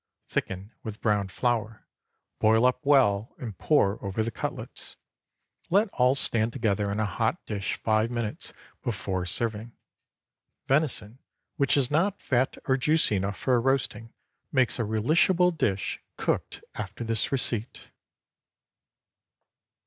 Thicken with browned flour, boil up well and pour over the cutlets. Let all stand together in a hot dish five minutes before serving. Venison which is not fat or juicy enough for roasting makes a relishable dish cooked after this receipt.